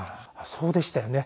そうでしたよね